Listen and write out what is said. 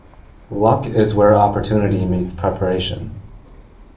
Luck is where opportunity meets preparation.